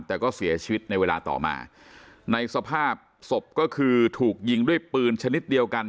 แต่ก็เสียชีวิตในเวลาต่อมาในสภาพศพก็คือถูกยิงด้วยปืนชนิดเดียวกัน